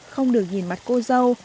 không được nhìn mặt cô dâu